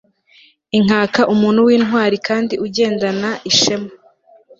inkaka umuntu w'intwari kandi ugendana ishema